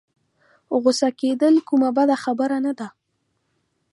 غوسه کېدل کومه بده خبره نه ده.